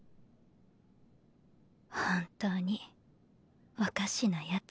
本当におかしなヤツ。